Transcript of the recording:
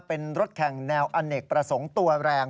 เป็นรถแข่งแนวอเนกประสงค์ตัวแรง